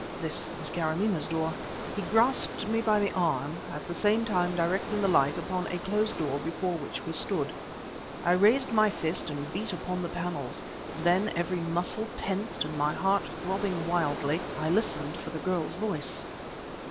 This is Kâramaneh's door." He grasped me by the arm, at the same time directing the light upon a closed door before which we stood. I raised my fist and beat upon the panels; then, every muscle tensed and my heart throbbing wildly, I listened for the girl's voice.